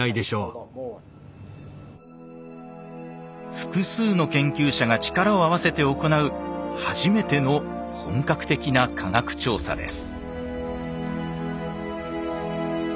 複数の研究者が力を合わせて行う初めての本格的な科学調査です。